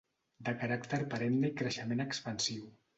De caràcter perenne i creixement expansiu.